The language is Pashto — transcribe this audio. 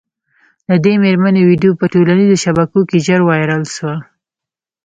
د دې مېرمني ویډیو په ټولنیزو شبکو کي ژر وایرل سوه